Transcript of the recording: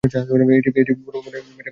এটি পুরো ভবনের মেঝে বা তলা বিন্যাস।